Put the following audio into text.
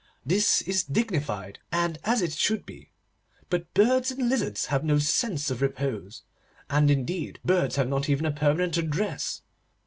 This is dignified, and as it should be. But birds and lizards have no sense of repose, and indeed birds have not even a permanent address.